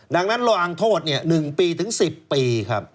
ดังนั้นระวังโทษ๑ปีถึง๑๐ปีครับ